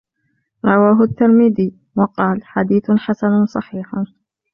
رواه التِّرمذيُّ، وقالَ:حديثٌ حَسَنٌ صحيحٌ.